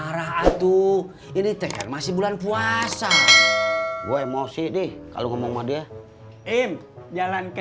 marah atuh ini tekan masih bulan puasa gue emosi nih kalau ngomong sama dia im jalan ke